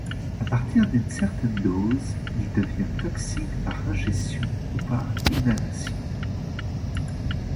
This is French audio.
À partir d'une certaine dose, il devient toxique par ingestion ou par inhalation.